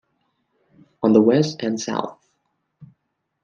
On the West and South.